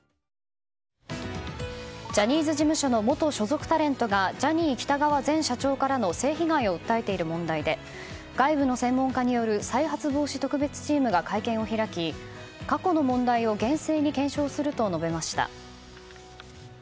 ジャニーズ事務所の元所属タレントがジャニー喜多川前社長からの性被害を訴えている問題で外部の専門家による再発防止特別チームが会見を開き過去の問題を厳正に検証すると述べました。